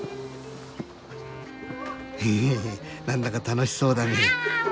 ヘヘヘ何だか楽しそうだね。